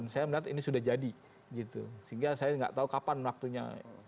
sehingga saya tidak tahu kapan waktunya